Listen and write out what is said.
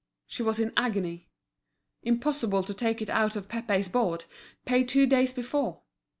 She was in agony. Impossible to take it out of Pépé's board, paid two days before.